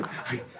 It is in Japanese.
はい。